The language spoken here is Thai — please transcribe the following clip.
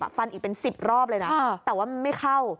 ฟันอีกเป็น๑๐รอบเลยนะแต่ว่ามันไม่เข้า